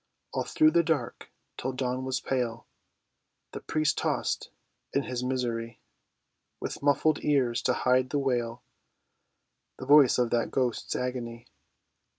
All through the dark, till dawn was pale, The priest tossed in his misery, With muffled ears to hide the wail, The voice of that ghost's agony.